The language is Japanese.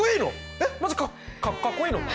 えっマジかかっこいいのかな？